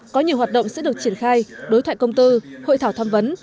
có nhiều hoạt động sẽ được triển khai đối thoại công tư hội thảo tham vấn